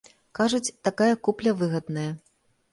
Кажуць, такая купля выгадная.